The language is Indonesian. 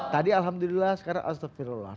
tadi alhamdulillah sekarang astaghfirullah